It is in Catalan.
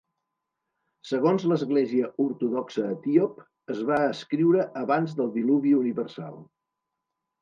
Segons l'Església Ortodoxa Etíop, es va escriure abans del diluvi universal.